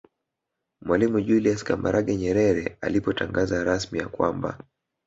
Mwalimu Julius Kambarage Nyerere alipotangaza rasmi ya kwamba